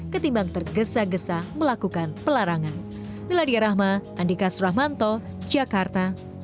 ketimbang tergesa gesa melakukan pelarangan